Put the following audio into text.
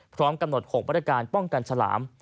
พร้อมกำหนด๖มาตรการป้องกันฉลาม